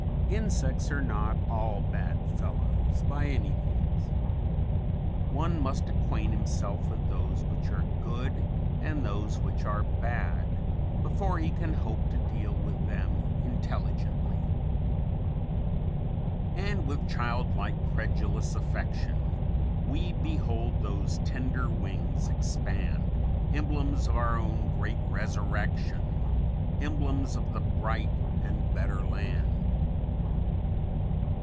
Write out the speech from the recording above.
Insects are not all bad fellows by any means. One must acquaint himself with those which are good and those which are bad before he can hope to deal with them intelligently. "_And with childlike credulous affection We behold those tender wings expand, Emblems of our own great resurrection, Emblems of the bright and better land.